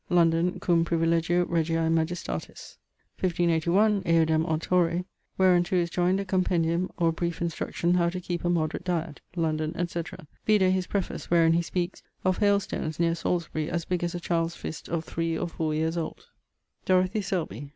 London, cum privilegio regiae majestatis. 1581, eodem autore, wherunto is joynd a compendium or brief instruction how to keepe a moderate diet. London, etc. Vide his preface wherin he speakes ☞ of haile stones neer Salisbury as big as a child's fist of three or fower yeeres old. =Dorothy Selby.